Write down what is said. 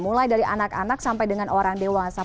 mulai dari anak anak sampai dengan orang dewasa